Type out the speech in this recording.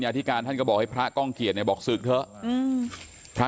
อธิการท่านก็บอกให้พระก้องเกียจเนี่ยบอกศึกเถอะอืมพระ